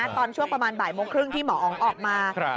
ตอนช่วงประมาณบ่ายโมงครึ่งที่หมออ๋องออกมา